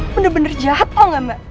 bener bener jahat tau gak mbak